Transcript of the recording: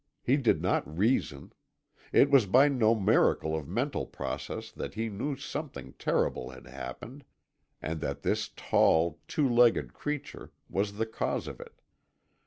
He did not reason. It was by no miracle of mental process that he knew something terrible had happened, and that this tall, two legged creature was the cause of it.